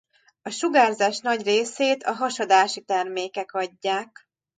A sugárzás nagy részét a hasadási termékek adják.